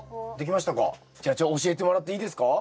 じゃあ教えてもらっていいですか？